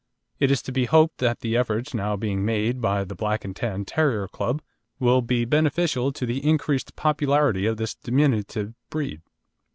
It is to be hoped that the efforts now being made by the Black and Tan Terrier Club will be beneficial to the increased popularity of this diminutive breed.